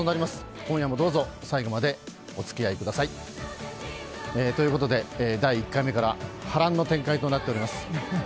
今夜もどうぞ最後までお付き合いください。ということで、第１回目から波乱の展開となっております。